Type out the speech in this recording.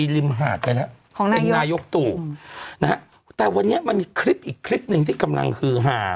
ริมหาดไปแล้วเป็นนายกตู่นะฮะแต่วันนี้มันมีคลิปอีกคลิปหนึ่งที่กำลังฮือหา